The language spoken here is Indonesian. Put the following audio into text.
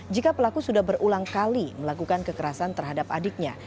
jika pelaku sudah berulang kali melakukan kekerasan terhadap adiknya